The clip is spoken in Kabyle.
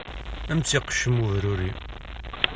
Ad m-tt-iqeccem ubruri.